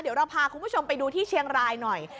เดี๋ยวเราพาคุณผู้ชมไปดูที่เชียงรายหน่อย